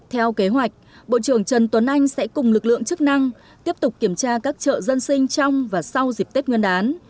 theo kế hoạch bộ trưởng trần tuấn anh sẽ cùng lực lượng chức năng tiếp tục kiểm tra các chợ dân sinh trong và sau dịp tết nguyên đán